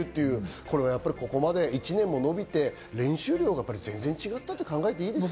これはここまで１年も延びて、練習量が全然違ったと考えていいですか？